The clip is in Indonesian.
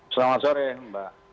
selamat sore mbak